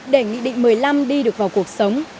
để nghị định một mươi năm đi được vào cuộc sống